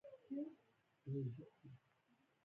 عمر او وړتیاوې عوایدو اغېز لري.